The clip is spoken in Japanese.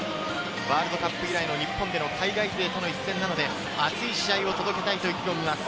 ワールドカップ以来の日本での海外勢との一戦なので、熱い試合を届けたいと意気込みます。